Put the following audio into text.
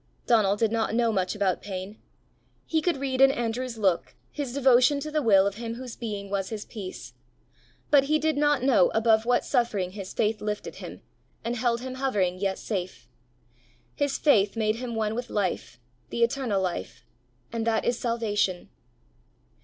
Donal did not know much about pain: he could read in Andrew's look his devotion to the will of him whose being was his peace, but he did not know above what suffering his faith lifted him, and held him hovering yet safe. His faith made him one with life, the eternal Life and that is salvation.